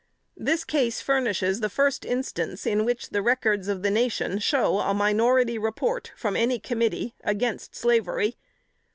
This case furnishes the first instance in which the records of the nation show a minority report from any committee against slavery.